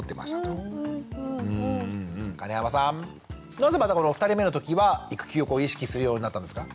なぜまたこの２人目の時は育休を意識するようになったんですか？